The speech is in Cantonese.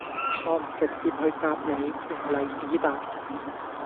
我唔直接去答你,用例子答